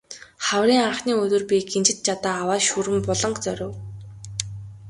Хаврын анхны өдөр би гинжит жадаа аваад Шүрэн буланг зорив.